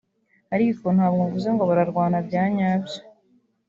ariko ntabwo mvuze ngo bararwana bya nyabyo